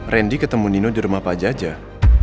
randy ketemu nino di rumah pak jajah